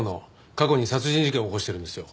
過去に殺人事件を起こしてるんですよ。